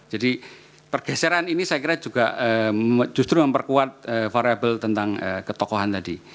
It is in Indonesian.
jadi pergeseran ini saya kira juga justru memperkuat variable tentang ketokohan tadi